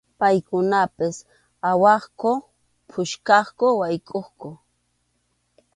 Paykunapas awaqku, puskaqku, waykʼuqku.